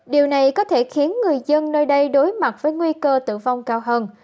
điều này có thể khiến người dân nơi đây đối mặt với nguy cơ tử vong cao hơn